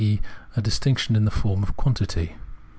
e. a distinction in the form of quantity.